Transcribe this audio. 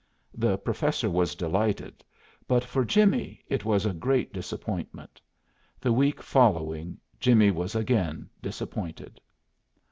The professor was delighted, but for Jimmie it was a great disappointment. The week following Jimmie was again disappointed.